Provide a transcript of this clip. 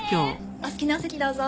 お好きなお席どうぞ。